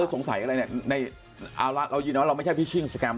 สงสัยอะไรเนี่ยเราไม่ใช่พิชชิงสแกม